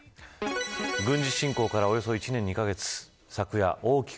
軍事侵攻からおよそ１年２カ月